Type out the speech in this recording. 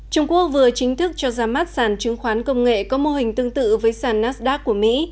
trung quốc vừa chính thức cho ra mắt sản chứng khoán công nghệ có mô hình tương tự với sản nasdaq của mỹ